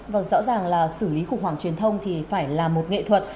vâng rõ ràng là xử lý khủng hoảng truyền thông thì phải là một nghệ thuật